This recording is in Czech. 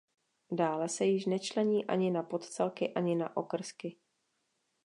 Dále se již nečlení ani na podcelky ani na okrsky.